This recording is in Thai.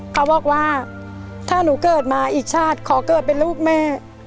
เขาบอกว่าถ้าหนูเกิดมาอีกชาติขอเกิดเป็นลูกแม่